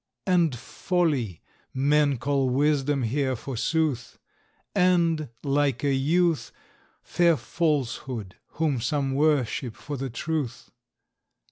And Folly, men call Wisdom here, forsooth; And, like a youth, Fair Falsehood, whom some worship for the Truth.